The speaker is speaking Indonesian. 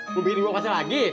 mbak bini mau kasih lagi